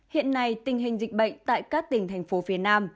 hiện nay tình hình dịch bệnh tại các tỉnh thành phố phía nam